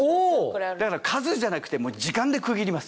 だから数じゃなくて時間で区切ります。